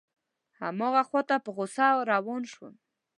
هماغه خواته په غوسه روان شوم.